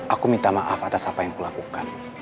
aku minta maaf atas apa yang kulakukan